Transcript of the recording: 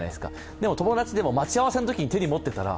でも友達でも、待ち合わせのときに手に持っていたら